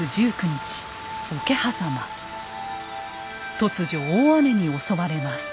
突如大雨に襲われます。